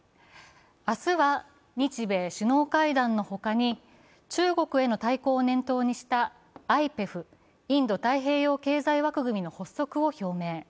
明日は日米首脳会談の他に中国への対抗を念頭にしたＩＰＥＦ＝インド太平洋経済枠組みの発足を表明。